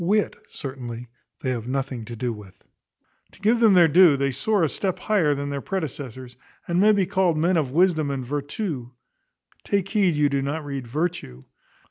Wit certainly they have nothing to do with. To give them their due, they soar a step higher than their predecessors, and may be called men of wisdom and vertù (take heed you do not read virtue).